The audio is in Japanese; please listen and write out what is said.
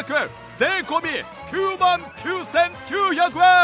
税込９万９９００円！